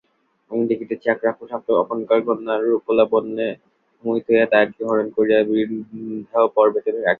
আমি দেখিতেছি এক রাক্ষস আপনকার কন্যার রূপলাবণ্যে মোহিত হইয়া তাহাকে হরণ করিয়া বিন্ধ্যপর্বতে রাখিয়াছে।